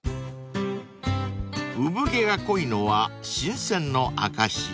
［産毛が濃いのは新鮮の証し］